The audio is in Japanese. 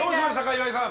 岩井さん。